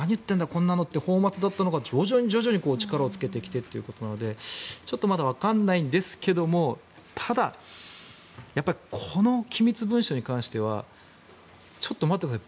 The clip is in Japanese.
こんなのという泡まつだったのが徐々に徐々に力をつけてきてということなのでまだわからないんですがただ、この機密文書に関してはちょっと待ってください